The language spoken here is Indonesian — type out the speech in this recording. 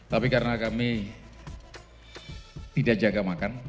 tapi karena kami tidak jaga makan